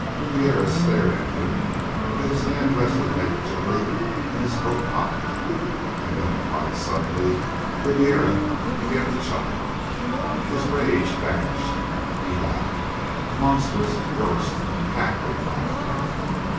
Ribiera stared at him as his hand rested negligently in his coat pocket. And then, quite suddenly Ribiera began to chuckle. His rage vanished. He laughed, a monstrous, gross, cackling laughter.